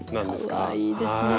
かわいいですね。